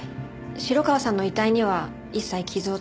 城川さんの遺体には一切傷をつけていません。